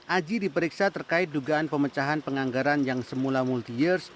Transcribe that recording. aji diperiksa terkait dugaan pemecahan penganggaran yang semula multi years